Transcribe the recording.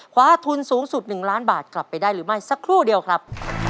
คว้าทุนสูงสุด๑ล้านบาทกลับไปได้หรือไม่สักครู่เดียวครับ